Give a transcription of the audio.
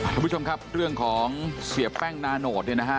ทุกคับเรื่องของเสียแป้งนาโนดเนี่ยนะฮะ